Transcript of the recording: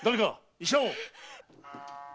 医者を！